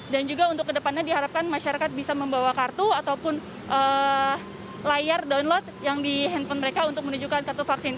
dan juga untuk ke depannya diharapkan masyarakat bisa membawa kartu ataupun layar download yang di handphone mereka untuk menunjukkan kartu vaksin